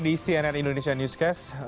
anda kembali di cnn indonesia newscast